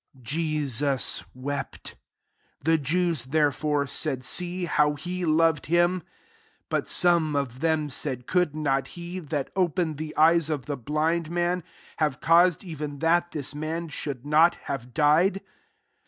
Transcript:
35 Jesus wept. 36 The Jews, therefore, said, « Sec, how he gloved him." 37 But some of them said, " Could not he, that opened the eyes of the blind man, hare caused even that this man should not have died?"